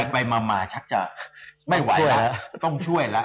ไปมาชักจะไม่ไหวแล้วต้องช่วยแล้ว